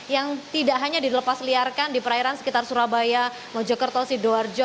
yang tidak hanya dilepas liarkan di perairan sekitar surabaya mojokerto sidoarjo